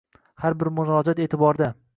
Har bir murojaat e’tiborda